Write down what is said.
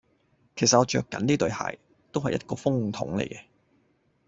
其實我著緊呢對鞋，都係一個風筒嚟嘅